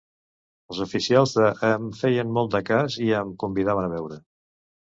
Els oficials de em feien molt de cas i em convidaven a beure.